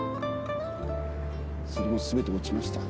それもすべて落ちました。